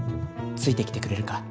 ついてきてくれるか。